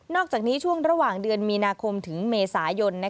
อกจากนี้ช่วงระหว่างเดือนมีนาคมถึงเมษายน